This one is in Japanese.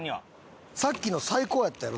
さっきの最高やったやろ？